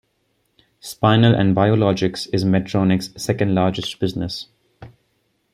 Spinal and biologics is Medtronic's second-largest business.